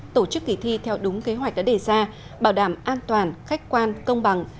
tổ chức kỳ thi theo đúng kế hoạch đã đề ra bảo đảm an toàn khách quan công bằng